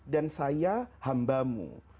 dan saya hambamu